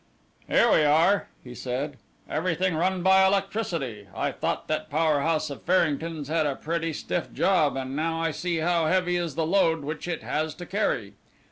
"Here we are," he said "everything run by electricity. I thought that power house of Farrington's had a pretty stiff job, and now I see how heavy is the load which it has to carry.